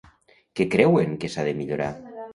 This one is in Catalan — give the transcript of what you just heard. Què creuen que s'ha de millorar?